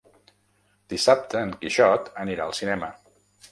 Dissabte en Quixot anirà al cinema.